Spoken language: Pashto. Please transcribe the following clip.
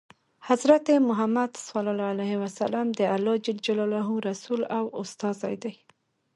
حضرت محمد ﷺ د الله ﷻ رسول او استازی دی.